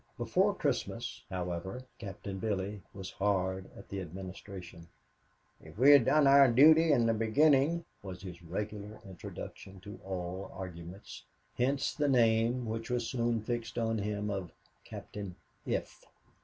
Before Christmas, however, Captain Billy was hard at the Administration. "If we had done our duty in the beginning," was his regular introduction to all arguments hence the name which was soon fixed on him of "Captain If."